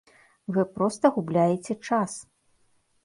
Вы проста губляеце час.